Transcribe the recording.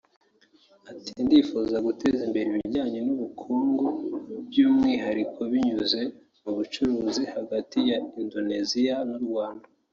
Ati “Ndifuza guteza imbere ibijyanye n’ubukungu by’umwihariko binyuze mu bucuruzi hagati ya Indonesia n’u Rwanda